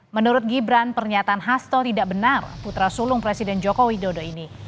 menurut gibran pernyataan hasto tidak benar putra sulung presiden joko widodo ini